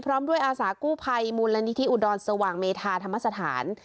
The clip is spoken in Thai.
พร้อมด้วยอาสากู้ภัยมูลนิธิอุดรสว่างเมธาธรรมสถาน